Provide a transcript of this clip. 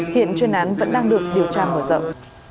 hiện chuyên án vẫn đang được điều tra mở rộng